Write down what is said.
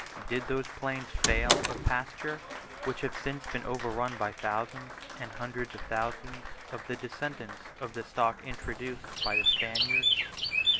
Did those plains fail of pasture, which have since been overrun by thousands and hundreds of thousands of the descendants of the stock introduced by the Spaniards?